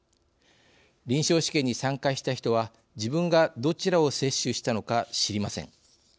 臨床試験に参加した人は自分がどちらを接種したのか知りません。